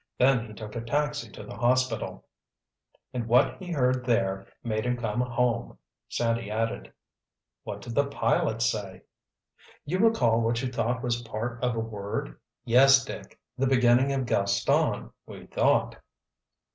Then he took a taxi to the hospital." "And what he heard there made him come home," Sandy added. "What did the pilot say?" "You recall what you thought was part of a word?" "Yes, Dick—the beginning of 'Gaston,' we thought."